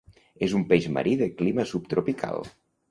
És un peix marí de clima subtropical.